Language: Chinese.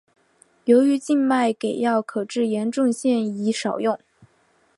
由于静脉给药可致严重现已少用。